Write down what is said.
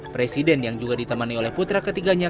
presiden yang juga ditemani oleh putra ketiganya